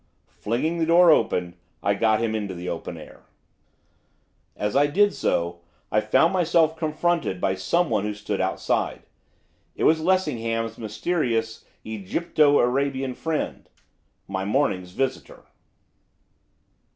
Flinging the door open, I got him into the open air. As I did so, I found myself confronted by someone who stood outside. It was Lessingham's mysterious Egypto Arabian friend, my morning's visitor.